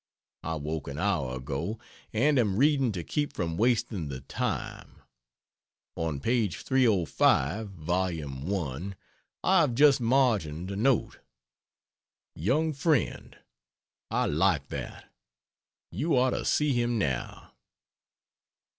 I woke an hour ago and am reading to keep from wasting the time. On page 305, vol. I. I have just margined a note: "Young friend! I like that! You ought to see him now."